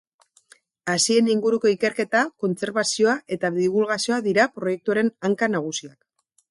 Hazien inguruko ikerketa, kontserbazioa eta dibulgazioa dira proiektuaren hanka nagusiak.